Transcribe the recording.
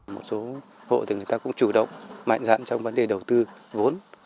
một số hộ tử người ta cũng chủ động mạnh dẫn trong vấn đề đầu tư vốn